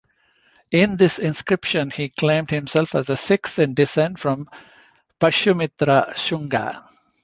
In this inscription he claimed himself as the sixth in descent from Pushyamitra Shunga.